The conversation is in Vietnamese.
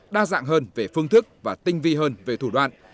đa dạng hơn về phương thức và tinh vi hơn về thủ đoạn